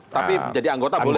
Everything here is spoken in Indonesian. tapi jadi anggota boleh